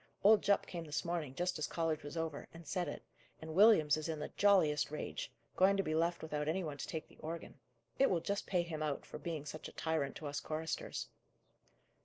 Old Jupp came this morning, just as college was over, and said it: and Williams is in the jolliest rage; going to be left without any one to take the organ. It will just pay him out, for being such a tyrant to us choristers."